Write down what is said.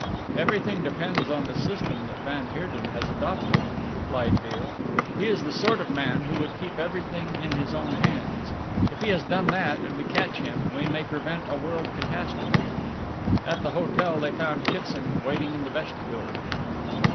"Everything depends on the system that van Heerden has adopted," replied Beale, "he is the sort of man who would keep everything in his own hands. If he has done that, and we catch him, we may prevent a world catastrophe." At the hotel they found Kitson waiting in the vestibule.